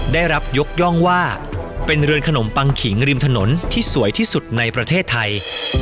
ได้รับยกย่องว่าเป็นเรือนขนมปังขิงริมถนนที่สวยที่สุดในประเทศไทย